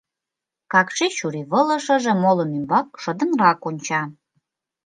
Какши чурийвылышыже молын ӱмбак шыдынрак онча.